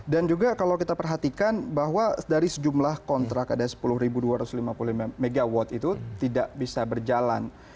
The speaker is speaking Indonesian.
dan juga kalau kita perhatikan bahwa dari sejumlah kontrak ada sepuluh dua ratus lima puluh lima mw itu tidak bisa berjalan